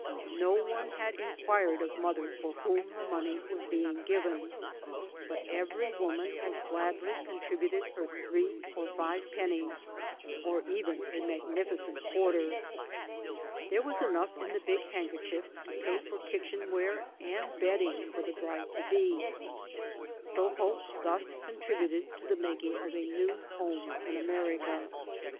No one had inquired of mother for whom the money was being given, but every woman had gladly contributed her three or five pennies — or even a magnificent quarter. There was enough in the big handkerchief to pay for kitchen ware and bedding for the bride to be. Soho thus contributed to the making of a new home in America.